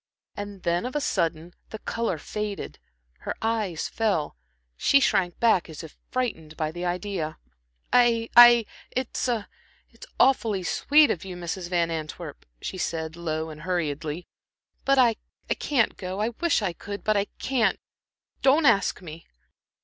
And then of a sudden the color faded, her eyes fell, she shrank back as if frightened at the idea. "I I it's awfully sweet of you, Mrs. Van Antwerp," she said, low and hurriedly, "but I I can't go I wish I could, but I can't. Don't don't ask me."